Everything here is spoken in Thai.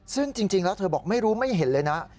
ซึ่งจริงแล้วเธอบอกไม่รู้ไม่เห็นเลยนะ